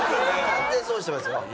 完全損してますよ。